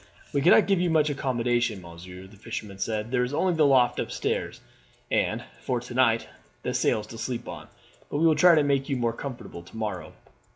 "We cannot give you much accommodation, monsieur," the fisherman said. "There is only the loft upstairs, and, for to night, the sails to sleep on; but we will try and make you more comfortable to morrow."